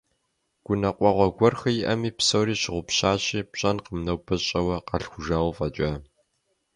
Гуныкъуэгъуэ гуэрхэр иӀэми, псори щыгъупщащи, пщӀэнкъым нобэ щӀэуэ къалъхужауэ фӀэкӀа.